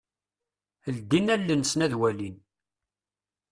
Ldin allen-nsen ad walin.